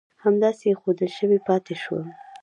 همداسې اېښودل شوي پاتې شول.